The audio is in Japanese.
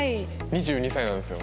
２２歳なんですよ。